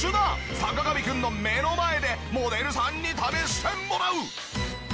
坂上くんの目の前でモデルさんに試してもらう！